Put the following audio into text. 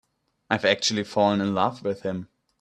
I've actually fallen in love with him.